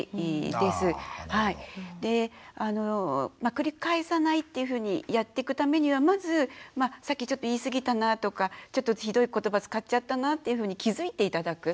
で繰り返さないっていうふうにやってくためにはまずさっきちょっと言い過ぎたなとかちょっとひどい言葉使っちゃったなっていうふうに気付いて頂く。